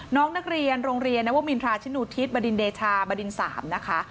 น้องนักเรียนโรงเรียนนวมินทราชินูทิศบดินเดชาบดิน๓นะคะ